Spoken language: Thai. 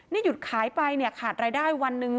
นี่หยุดขายไปขาดรายได้